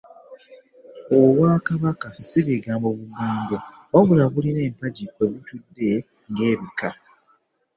“Obwakabaka ssi bigambo bugambo wabula bulina empagi kwebitudde ng' ebika.